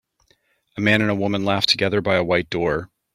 A man and a woman laugh together by a white door.